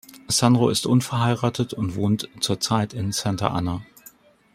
Sandro ist unverheiratet und wohnt zurzeit in Santa Ana.